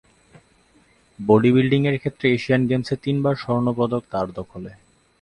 Body building এর ক্ষেত্রে Asian গেমসে তিনবার স্বর্ণ পদক তার দখলে।